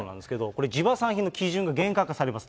これ、地場産品の基準が厳格化されます。